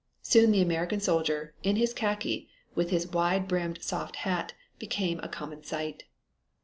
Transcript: Soon the American soldier, in his khaki, with his wide brimmed soft hat, became a common sight.